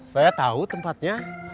saya tau tempatnya